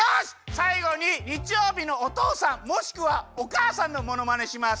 さいごににちようびのおとうさんもしくはおかあさんのものまねします。